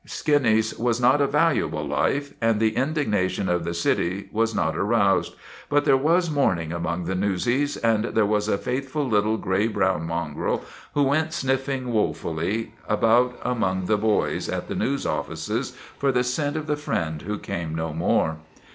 Skinny 's was not a valuable life, and the indigna tion of the city was not aroused, but there was mourning among the newsies, and there was a faith ful little gray brown mongrel who went sniffing woe fully about among the boys at the news offices for the scent of the friend who came no more.